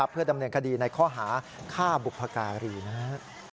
เพื่อดำเนินคดีในข้อหาฆ่าบุพการีนะครับ